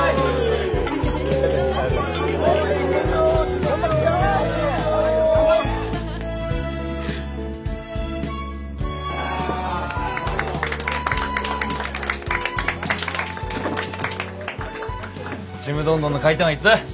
ちむどんどんの開店はいつ？